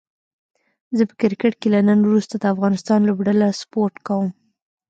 زه په کرکټ کې له نن وروسته د افغانستان لوبډله سپوټ کووم